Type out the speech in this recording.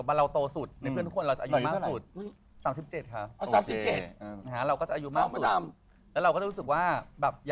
เวลารอดไปกันที่รอดไปกันตั้งกลุ่มเลย